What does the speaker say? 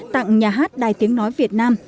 tặng nhà hát đài tiếng nói việt nam